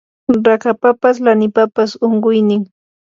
rakapapas lanipapas unquynin